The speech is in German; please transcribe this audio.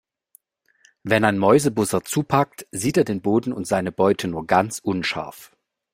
Wenn ein Mäusebussard zupackt, sieht er den Boden und seine Beute nur ganz unscharf.